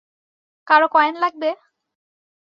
কারো কয়েন লাগবে?